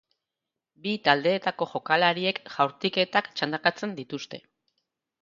Bi taldeetako jokalariek jaurtiketak txandakatzen dituzte.